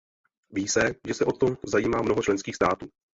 Ví se, že se o to zajímá mnoho členských států.